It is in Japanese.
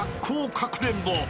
かくれんぼ］